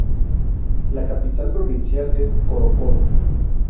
La capital provincial es Coro Coro.